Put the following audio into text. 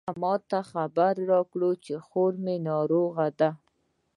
هغې ما ته خبر راکړ چې خور می ناروغه ده